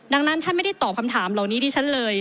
ดังนั้นท่านไม่ได้ตอบคำถามเหล่านี้ที่ฉันเลย